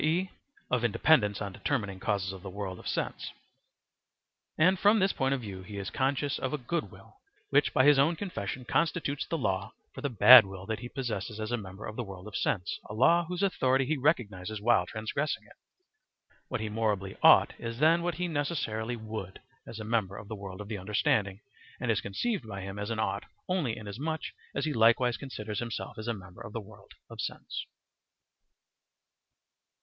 e., of independence on determining causes of the world of sense; and from this point of view he is conscious of a good will, which by his own confession constitutes the law for the bad will that he possesses as a member of the world of sense a law whose authority he recognizes while transgressing it. What he morally "ought" is then what he necessarily "would," as a member of the world of the understanding, and is conceived by him as an "ought" only inasmuch as he likewise considers himself as a member of the world of sense.